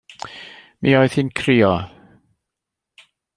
Mi oedd hi'n crio.